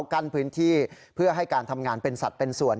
กั้นพื้นที่เพื่อให้การทำงานเป็นสัตว์เป็นส่วน